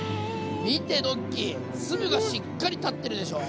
見てドッキー粒がしっかり立ってるでしょ。